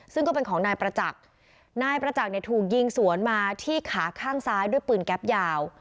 ซึ่งก็เป็นของนายประจักษ์นายประจักษ์เนี่ยถูกยิงสวนมาที่ขาข้างซ้ายด้วยปืนแก๊ปยาว